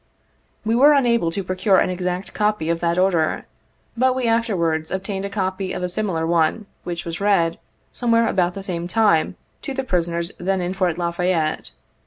We were unable to procure an exact copy of that order, but we afterwards obtained a copy of a similar one which was read, somewhere about the same time, to the prisoners then in Fort La Fayette.